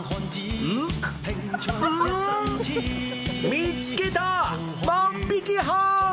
見つけた、万引き犯。